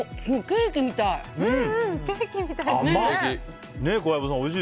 ケーキみたい。